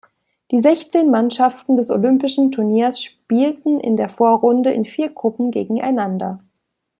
Die sechzehn Mannschaften des olympischen Turniers spielten in der Vorrunde in vier Gruppen gegeneinander.